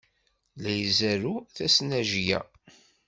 La izerrew tasnajya.